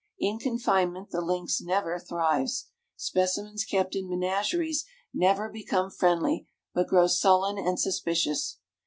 In confinement the lynx never thrives. Specimens kept in menageries never become friendly, but grow sullen and suspicious.